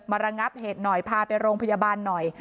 ระงับเหตุหน่อยพาไปโรงพยาบาลหน่อย